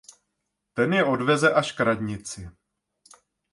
Ten je odveze až k radnici.